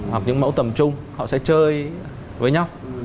hoặc những mẫu tầm trung họ sẽ chơi với nhau